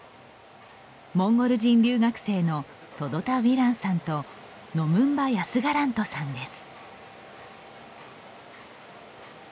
モンゴル人留学生のソドタウィランさんとノムンバヤスガラントさんです。